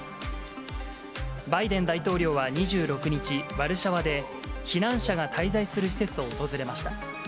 バイデン大統領は２６日、ワルシャワで、避難者が滞在する施設を訪れました。